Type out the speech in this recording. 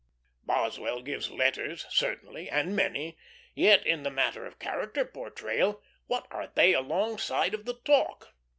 Boswell gives letters, certainly, and many; yet, in the matter of character portrayal, what are they alongside of the talk?